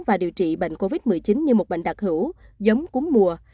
và điều trị bệnh covid một mươi chín như một bệnh đặc hữu giống cúm mùa